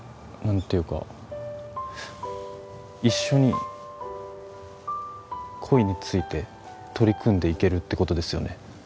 何ていうか一緒に恋について取り組んでいけるってことですよね？